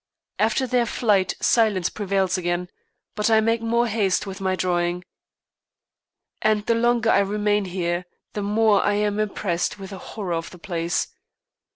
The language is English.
After their flight silence prevails again, but I make more haste with my drawing. And the longer I remain here the more I am impressed with the horror of the place.